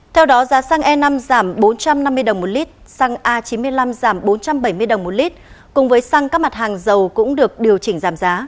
theo đó giá xăng e năm giảm bốn trăm năm mươi đồng một lít xăng a chín mươi năm giảm bốn trăm bảy mươi đồng một lít cùng với xăng các mặt hàng dầu cũng được điều chỉnh giảm giá